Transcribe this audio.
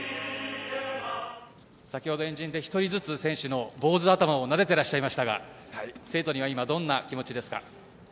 先ほど、円陣で１人ずつ選手の坊主頭を撫でてらっしゃいましたが生徒には今、どんな気持ちですか？